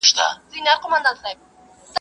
دا کږې وږي بګړۍ به !.